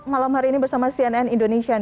malam hari ini bersama cnn indonesia